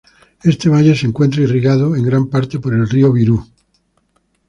Este valle se encuentra irrigado en gran parte por el río Virú.